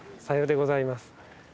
さようでございます。